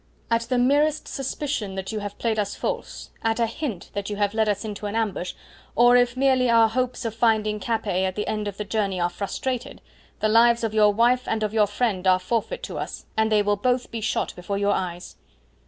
"At the merest suspicion that you have played us false, at a hint that you have led us into an ambush, or if merely our hopes of finding Capet at the end of the journey are frustrated, the lives of your wife and of your friend are forfeit to us, and they will both be shot before your eyes."